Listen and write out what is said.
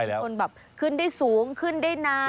เป็นคนแบบขึ้นได้สูงขึ้นได้นาน